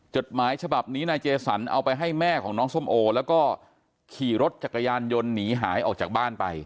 จดหมายฉบับนี้นายเจสันเอาไปให้แม่ของน้องส้มโอแล้วก็ขี่รถจักรยานยนต์หนีหายออกจากบ้านไป